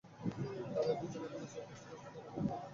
তারা দুজন এমন আচরণ করেছে যেমন তারা প্রথমবার মিলিত হয়েছে।